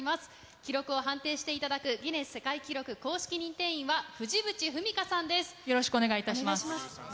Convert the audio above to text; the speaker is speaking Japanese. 記録を判定していただく、ギネス世界記録公式認定員は、藤渕文香さんです。